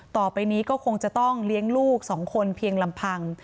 ต่อไปนี้ก็คงจะต้องเลี้ยงลูกสองคนเพียงลำพัง